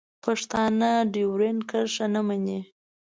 پښتانه ډیورنډ کرښه نه مني.